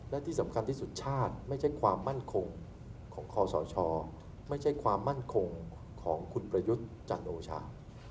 และที่สำคัญที่สุดชาติไม่ใช่ความมั่นคงของคอสชไม่ใช่ความมั่นคงของคุณประยุทธ์จันโอชา